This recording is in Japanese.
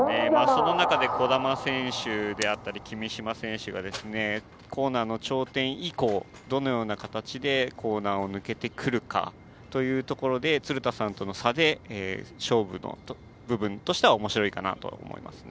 その中で兒玉選手であったり君嶋選手が、コーナーの頂点以降どのような形でコーナーを抜けてくるかというところで鶴田さんとの差で勝負の部分としてはおもしろいかなと思います。